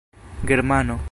germano